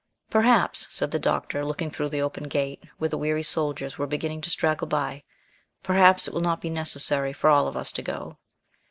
"Perhaps," said the Doctor, looking through the open gate, where the weary soldiers were beginning to straggle by, "perhaps it will not be necessary for all of us to go."